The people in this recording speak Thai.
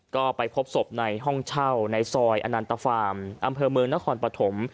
ก็ไปพบศพในห้องเช่าในซอยอนันตฟาร์มอำเภอเมืองนครปฐม